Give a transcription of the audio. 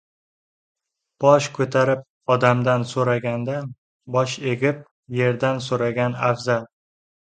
• Bosh ko‘tarib odamdan so‘ragandan, bosh egib yerdan so‘ragan afzal.